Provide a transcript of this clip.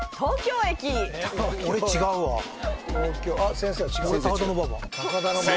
先生は違う？